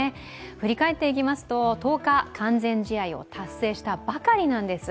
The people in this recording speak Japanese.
振り返っていきますと１０日、完全試合を達成したばかりなんです。